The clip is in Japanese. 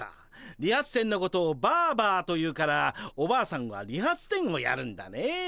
理髪店のことをバーバーというからおばあさんは理髪店をやるんだね。